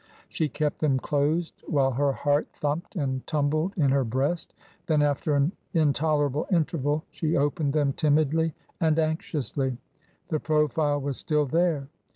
She kept them closed, while her heart thumped and tumbled in her breast ; then after an intolerable interval she opened them timidly and anxiously. The profile was still there.